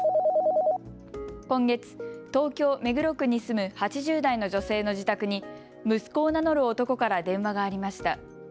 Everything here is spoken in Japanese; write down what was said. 今月、東京目黒区に住む８０代の女性の自宅に息子を名乗る男から電話がありました。